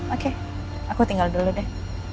oke aku tinggal dulu deh